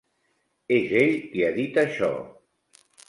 És ell qui ha dit això.